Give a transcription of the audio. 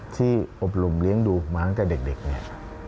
ที่อบรมเลี้ยงดูมาตั้งแต่เด็กเนี่ย